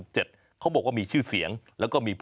ตามแนวทางศาสตร์พระราชาของในหลวงราชการที่๙